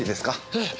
ええ。